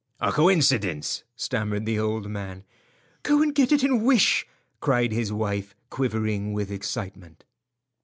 "A coincidence," stammered the old man. "Go and get it and wish," cried his wife, quivering with excitement.